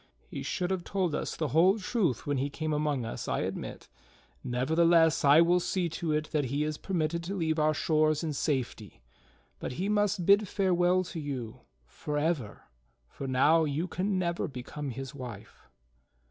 He should have told us the whole truth when he came among us, I admit; nevertheless, I will see to it that he is per mitted to leave our shores in safety, but he must bid farewell to you, forever, for now you can never become his wife."